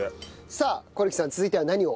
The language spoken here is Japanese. さあ是木さん続いては何を？